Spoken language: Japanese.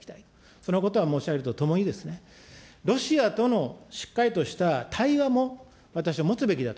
このことは申し上げるとともに、ロシアとのしっかりとした対話も、私は持つべきだと。